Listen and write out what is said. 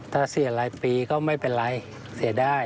ถ้าเสียรายปีก็ไม่เป็นไรเสียได้